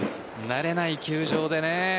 慣れない球場でね。